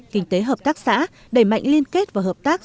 kinh tế hợp tác xã đẩy mạnh liên kết và hợp tác